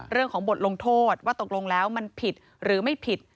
เรื่องของบทลงโทษว่าตกลงแล้วมันผิดหรือไม่ผิด